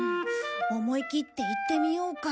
思いきって言ってみようか。